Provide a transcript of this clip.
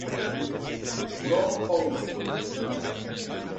No country.